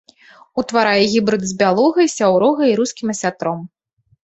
Утварае гібрыды з бялугай, сяўругай і рускім асятром.